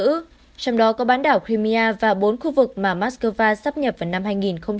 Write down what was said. trong đó có bán đảo crimea và bốn khu vực mà moscow sắp nhập vào năm hai nghìn hai mươi hai